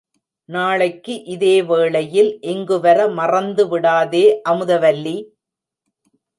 நாளைக்கு இதே வேளையில் இங்குவர மறந்துவிடாதே அமுதவல்லி!